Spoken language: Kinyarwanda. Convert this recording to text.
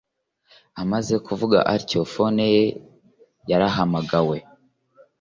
amaze kuvuga atyo fone ye yarahamagawe